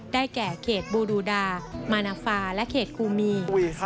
แก่เขตบูดูดามานาฟาและเขตคูมี